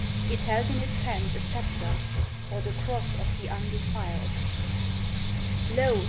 It held in its hand a sceptre. Or the cross of the undefiled. *' Lo